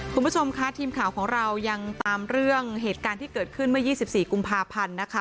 คุณผู้ชมค่ะทีมข่าวของเรายังตามเรื่องเหตุการณ์ที่เกิดขึ้นเมื่อ๒๔กุมภาพันธ์นะคะ